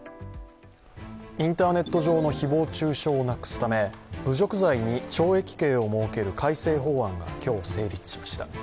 インターネット上の誹謗中傷をなくすため侮辱罪に懲役刑を設ける改正法案が今日、成立しました。